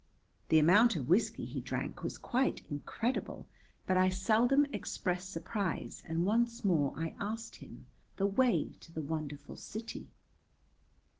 The amount of whiskey he drank was quite incredible, but I seldom express surprise and once more I asked him the way to the wonderful city.